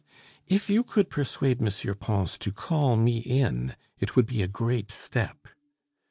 "If you could persuade M. Pons to call me in, it would be a great step."